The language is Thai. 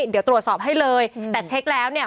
เดี๋ยวตรวจสอบให้เลยแต่เช็คแล้วเนี่ย